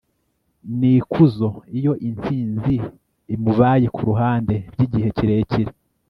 n'ikuzo iyo intsinzi imubaye ku ruhande by' igihe kirekire